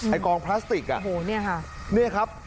ไอ้กองพลาสติก